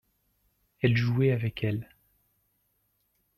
elle jouait avec elle.